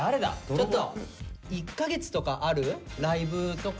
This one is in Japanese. ちょっと１か月とかあるライブとか。